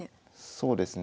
そうですね。